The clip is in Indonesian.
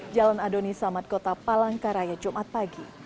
jalan adoni samad kota palangkaraya jumat pagi